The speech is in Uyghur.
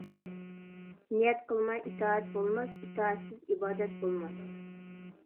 نىيەت قىلماي ئىتائەت بولماس ئىتائەتسىز ئىبادەت بولماس.